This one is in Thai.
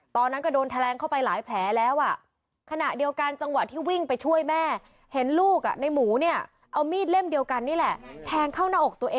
ตอนนั้นก็โดนแทลงเข้าไปหลายแผลแล้ว